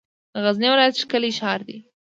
غزنی ولایت ښکلی شار دی.